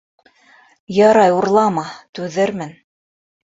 Ярай, урлама, түҙермен.